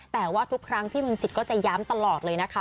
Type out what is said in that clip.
แต่ว่าทุกครั้งพี่มนต์สิทธิ์ก็จะย้ำตลอดเลยนะคะ